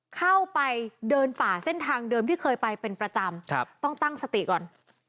เข้าไปเดินป่าเส้นทางเดิมที่เคยไปเป็นประจำต้องตั้งสติก่อน